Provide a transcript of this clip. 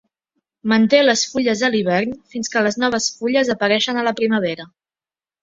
Manté les fulles a l'hivern fins que les noves fulles apareixen a la primavera.